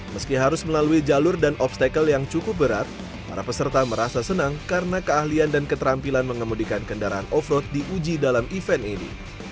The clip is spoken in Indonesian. meski harus melalui jalur dan obstacle yang cukup berat para peserta merasa senang karena keahlian dan keterampilan mengemudikan kendaraan off road diuji dalam event ini